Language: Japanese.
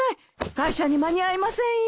会社に間に合いませんよ！